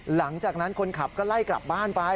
หลังจากนั้นคนขับก็ไล่กลับบ้านไป